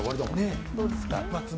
どうですか？